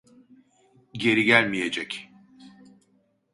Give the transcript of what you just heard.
Geri gelmeyecek.